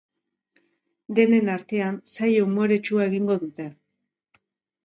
Denen artean, saio umoretsua egingo dute.